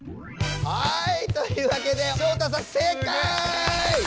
はい！というわけで照太さん正解！